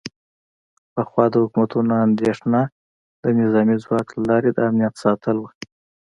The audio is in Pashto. پخوا د حکومتونو اندیښنه د نظامي ځواک له لارې د امنیت ساتل و